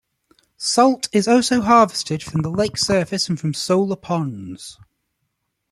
Salt is also harvested from the lake surface and from solar ponds.